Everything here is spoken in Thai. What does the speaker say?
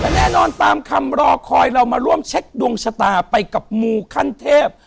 แน่นอนตามคำรอคอยเรามาร่วมเช็คดวงชะตาไปกับมูขั้นเทพ